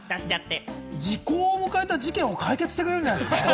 時効を迎えた事件を解決してくれるんじゃないですか？